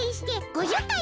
５０回。